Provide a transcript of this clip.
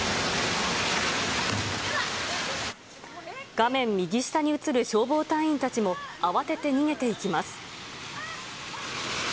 画面右下に映る消防隊員たちも、慌てて逃げていきます。